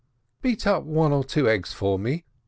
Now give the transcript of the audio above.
"Beat up one or two eggs for me